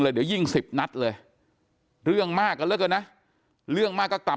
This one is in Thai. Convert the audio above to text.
เดี๋ยวยิง๑๐นัดเลยเรื่องมากกันแล้วกันนะเรื่องมากก็กลับ